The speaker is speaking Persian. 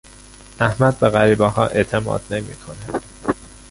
احمد به غریبهها اعتماد نمیکند.